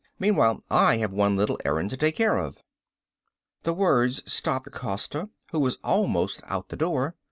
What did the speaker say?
Meanwhile I have one little errand to take care of." The words stopped Costa, who was almost out the door.